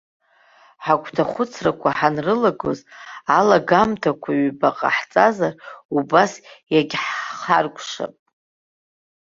Ҳагәҭахәыцрақәа ҳанрылагоз алагамҭақәа ҩба ҟаҳҵазар, убас иагьхҳаркәшап.